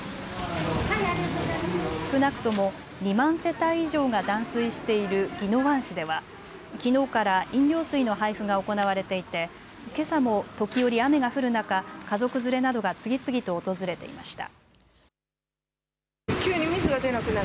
少なくとも２万世帯以上が断水している宜野湾市ではきのうから飲料水の配布が行われていて、けさも時折雨が降る中、家族連れなどが次々と訪れていました。